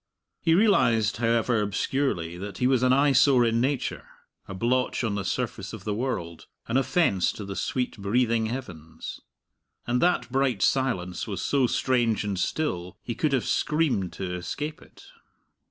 He realized, however obscurely, that he was an eyesore in nature, a blotch on the surface of the world, an offence to the sweet breathing heavens. And that bright silence was so strange and still; he could have screamed to escape it.